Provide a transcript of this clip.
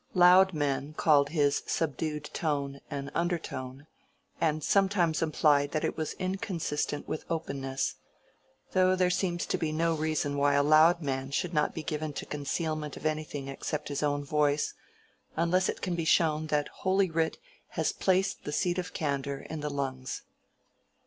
Loud men called his subdued tone an undertone, and sometimes implied that it was inconsistent with openness; though there seems to be no reason why a loud man should not be given to concealment of anything except his own voice, unless it can be shown that Holy Writ has placed the seat of candor in the lungs.